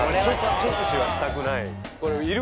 直視はしたくない。